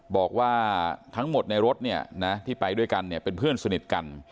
บอกว่าทั้งหมดในรถที่ไปด้วยกันเป็นเพื่อนสนิทกัน